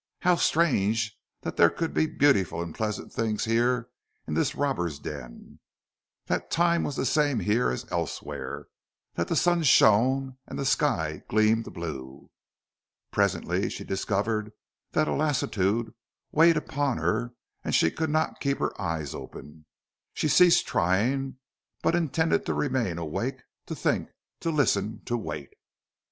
How strange that there could be beautiful and pleasant things here in this robber den; that time was the same here as elsewhere; that the sun shone and the sky gleamed blue. Presently she discovered that a lassitude weighted upon her and she could not keep her eyes open. She ceased trying, but intended to remain awake to think, to listen, to wait.